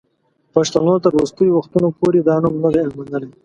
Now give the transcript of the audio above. پښتنو تر وروستیو وختونو پوري دا نوم نه دی منلی.